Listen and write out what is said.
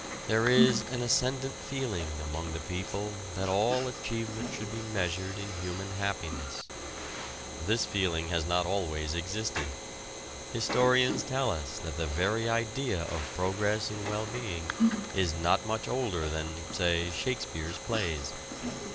There is an ascendant feeling among the people that all achievement should be measured in human happiness. This feeling has not always existed. Historians tell us that the very idea of progress in well being is not much older than, say, Shakespeare's plays.